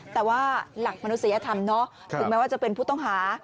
แต่ว่าหลักมนุษยธรรมเนาะถึงแม้ว่าจะเป็นผู้ต้องหา